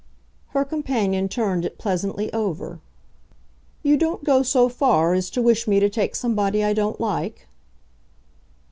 Her companion turned it pleasantly over. "You don't go so far as to wish me to take somebody I don't like?"